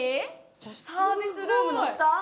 サービスルームの下。